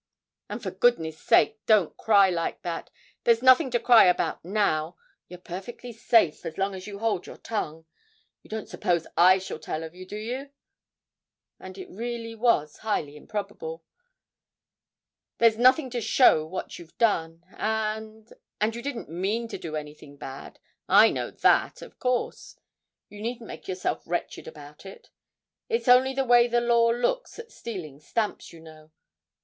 'And for goodness' sake don't cry like that there's nothing to cry about now.... You're perfectly safe as long as you hold your tongue. You don't suppose I shall tell of you, do you?' (and it really was highly improbable). 'There's nothing to show what you've done. And and you didn't mean to do anything bad, I know that, of course. You needn't make yourself wretched about it. It's only the way the law looks at stealing stamps, you know.